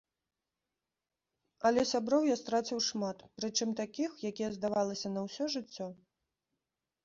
Але сяброў я страціў шмат, прычым такіх, якія, здавалася, на ўсё жыццё.